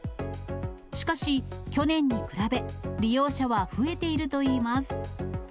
しかし去年に比べ、利用者は増えているといいます。